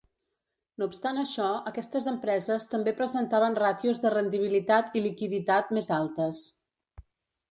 No obstant això, aquestes empreses també presentaven ràtios de rendibilitat i liquiditat més altes.